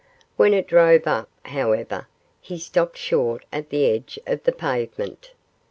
When it drove up, however, he stopped short at the edge of the pavement.